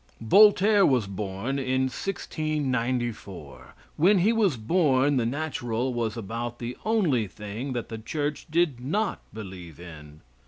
Voltaire was born in 1694. When he was born, the natural was about the only thing that the church did not believe in.